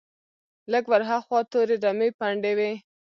لږ ور هاخوا تورې رمې پنډې وې.